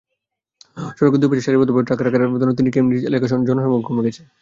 সড়কের দুই পাশে সারিবদ্ধভাবে ট্রাক রাখার কারণে কিনব্রিজ এলাকায় জনসমাগম কমে গেছে।